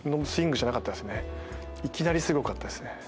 いきなりすごかったですね。